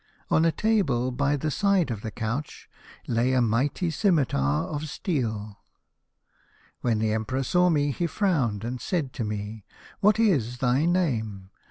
On a table by the side of the couch lay a mighty scimitar of steel. "When the Emperor saw me he frowned, and said to me, 'What is thy name